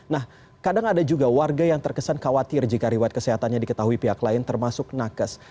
nah kadang ada juga warga yang terkesan khawatir jika riwayat kesehatannya diketahui pihak lain termasuk nakes